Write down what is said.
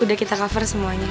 udah kita cover semuanya